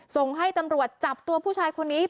ส่งให้ตำรวจจับตัวผู้ชายคนนี้